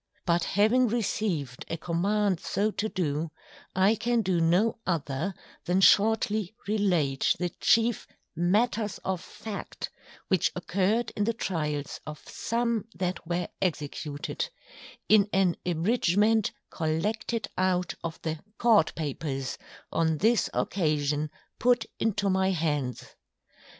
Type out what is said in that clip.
_ But having received a Command so to do, I can do no other than shortly relate the chief Matters of Fact, which occurr'd in the Tryals of some that were Executed, in an Abridgment Collected out of the Court Papers, on this occasion put into my hands.